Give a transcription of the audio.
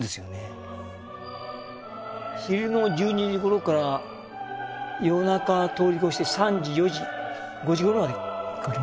昼の１２時ごろから夜中通り越して３時４時５時ごろまで描きますかね朝。